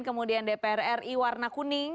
kemudian dpr ri warna kuning